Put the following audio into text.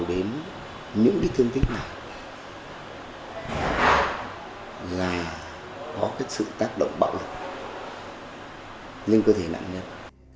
điều đến những cái thương tính này là có cái sự tác động bạo lực nhưng có thể nặng nhất